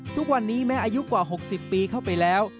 ทุกวันนี้แม้อายุกว่า๖๐ปีเข้าไปแล้ว